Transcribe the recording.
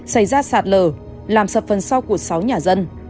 sạt lờ làm sập phần sau của sáu nhà dân